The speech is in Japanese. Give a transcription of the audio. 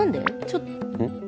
ちょっうん？